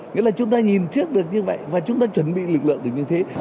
nghĩa là chúng ta nhìn trước được như vậy và chúng ta chuẩn bị lực lượng được như thế